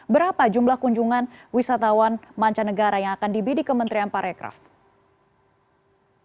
berapa jumlah kunjungan wisatawan mancanegara yang akan dibidik kementerian pariwisata